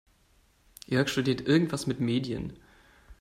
Jörg studiert irgendwas mit Medien.